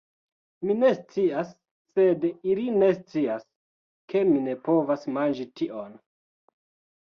Mi ne scias sed ili ne scias, ke mi ne povas manĝi tion